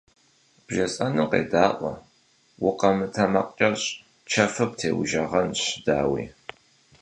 БжесӀэнум къедаӀуэ, укъэмытэмакъкӀэщӀ, чэфыр птеужагъэнщ, дауи.